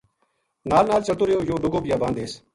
نال نال چلتو رہیو یوہ لُگو بیابان دیس